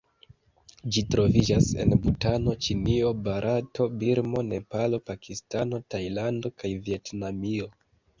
Ĝi troviĝas en Butano, Ĉinio, Barato, Birmo, Nepalo, Pakistano, Tajlando kaj Vjetnamio.